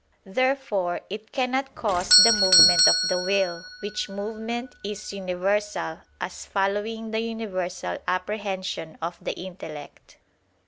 Therefore it cannot cause the movement of the will, which movement is universal, as following the universal apprehension of the intellect.